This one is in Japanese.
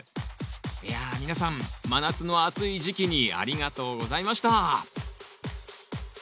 いや皆さん真夏の暑い時期にありがとうございました